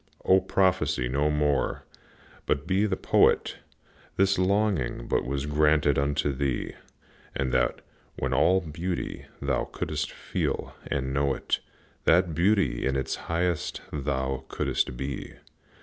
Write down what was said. O, prophesy no more, but be the Poet! This longing was but granted unto thee That, when all beauty thou couldst feel and know it, That beauty in its highest thou couldst be.